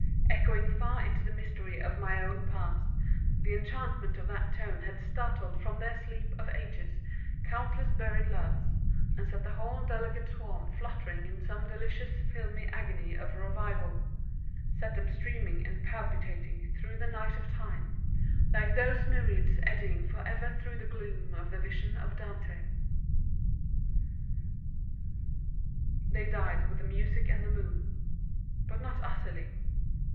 Echoing far into the mystery of my own past, the enchantment of that tone had startled from their sleep of ages countless buried loves, and set the whole delicate swarm fluttering in some delicious filmy agony of revival, set them streaming and palpitating through the Night of Time, like those myriads eddying forever through the gloom of the vision of Dante. They died with the music and the moon, but not utterly.